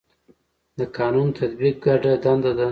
د قانون تطبیق ګډه دنده ده